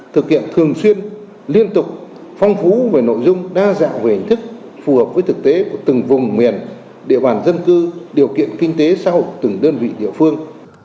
thực hiện thường xuyên liên tục phong phú về nội dung đa dạng về hình thức phù hợp với thực tế của từng vùng miền địa bàn dân cư điều kiện kinh tế xã hội từng đơn vị địa phương